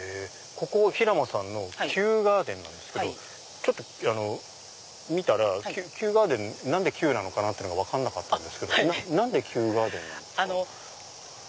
ここ平間さんの球ガーデンなんですけど見たら球ガーデン何で球なのか分かんなかったんですけど何で球ガーデンなんですか？